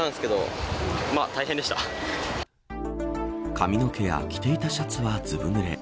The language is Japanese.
髪の毛や着ていたシャツはずぶぬれ。